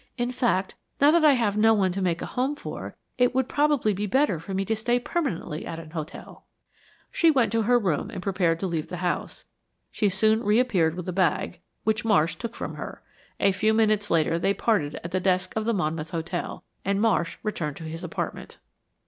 In fact, now that I have no one to make a home for, it would probably be better for me to stay permanently at an hotel." She went to her room and prepared to leave the house. She soon reappeared with a bag, which Marsh took from her. A few minutes later they parted at the desk of the Monmouth Hotel, and Marsh returned to his apartment.